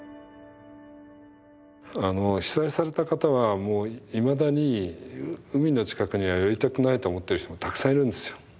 被災された方はもういまだに海の近くには寄りたくないと思ってる人もたくさんいるんですよ。